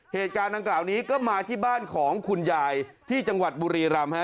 เหตุการณ์ดังกล่าวนี้ก็มาที่บ้านของคุณยายที่จังหวัดบุรีรำ